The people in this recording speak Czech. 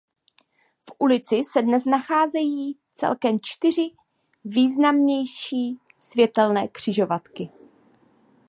V ulici se dnes nacházejí celkem čtyři významnější světelné křižovatky.